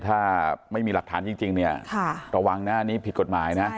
ถ้าไม่มีหลักฐานจริงเนี่ยระวังหน้านี้ผิดกฎหมายนะ